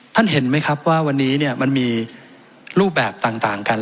เห็นไหมครับว่าวันนี้มันมีรูปแบบต่างกัน